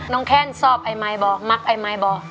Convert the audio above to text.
น้องแค่นสอบไอไมค์บ่มักไอไมค์บ่